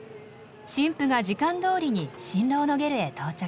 新婦が時間どおりに新郎のゲルへ到着。